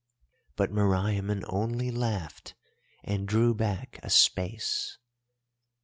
"But Meriamun only laughed and drew back a space.